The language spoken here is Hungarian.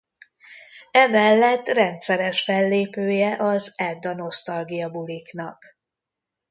Emellett rendszeres fellépője az Edda-nosztalgiabuliknak.